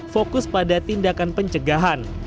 fokus pada tindakan pencegahan